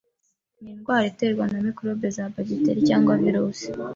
Ni indwara iterwa na mikorobe za bagiteri cg virusi,